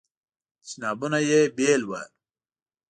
تشنابونه یې بیل وو.